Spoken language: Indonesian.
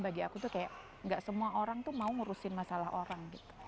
bagi aku tuh kayak gak semua orang tuh mau ngurusin masalah orang gitu